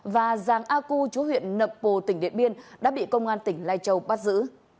và giàng a cu chú huyện nậm pồ tỉnh điện biên đã bị công an tỉnh lai châu bắt giữ